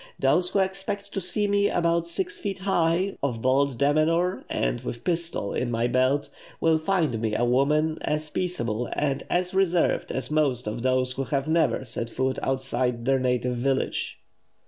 Those who expect to see me about six feet high, of bold demeanour, and with pistol in my belt, will find me a woman as peaceable and as reserved as most of those who have never set foot outside their native village."